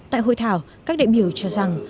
tại hội thảo các đại biểu cho rằng